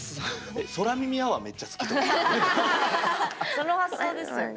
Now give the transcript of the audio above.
その発想ですよね。